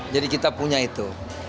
jadi kita punya itu